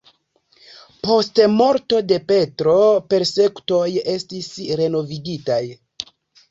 Post morto de Petro persekutoj estis renovigitaj.